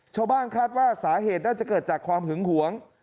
ชาวบ้านคาดว่าสาเหตุน่าจะเกิดจากความหึงหวง